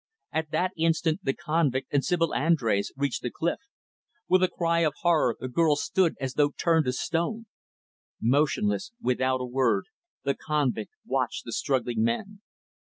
At that instant, the convict and Sibyl Andrés reached the cliff. With a cry of horror, the girl stood as though turned to stone. Motionless, without a word, the convict watched the struggling men.